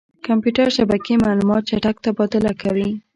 کمپیوټر شبکې معلومات چټک تبادله کوي.